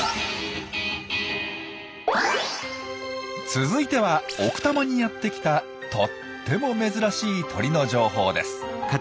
続いては奥多摩にやってきたとっても珍しい鳥の情報です。